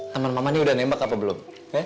teman mama ini udah nembak apa belum